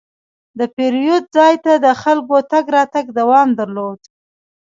د پیرود ځای ته د خلکو تګ راتګ دوام درلود.